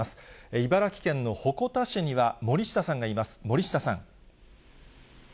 茨城県の鉾田市には守下さんがいます。